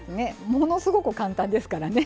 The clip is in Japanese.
ものすごく簡単ですからね。